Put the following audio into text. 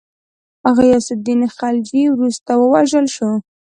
غیاث االدین خلجي وروسته ووژل شو.